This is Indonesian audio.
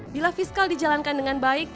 bila fiskal dijalankan dengan baik